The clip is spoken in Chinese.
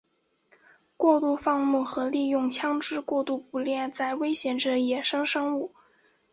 过度放牧和利用枪枝过度捕猎在威胁着野生生物。